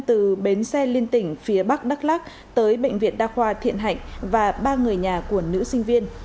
từ bến xe liên tỉnh phía bắc đắk lắc tới bệnh viện đa khoa thiện hạnh và ba người nhà của nữ sinh viên